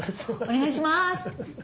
お願いします。